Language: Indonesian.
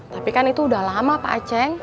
tapi kan itu udah lama pak aceh